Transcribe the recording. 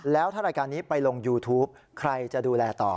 แล้วถ้ารายการนี้ไปลงยูทูปใครจะดูแลต่อ